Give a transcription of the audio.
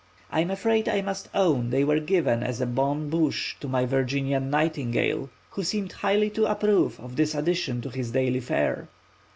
I am afraid I must own they were given as a bonne bouche to my Virginian nightingale, who seemed highly to approve of this addition to his daily fare.